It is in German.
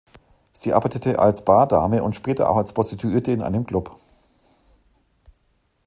Sie arbeitete als Bardame und später als Prostituierte in einem Club.